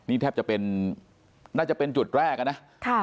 นี่แทบจะเป็นน่าจะเป็นจุดแรกอะนะ